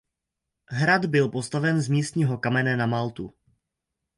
Hrad byl postaven z místního kamene na maltu.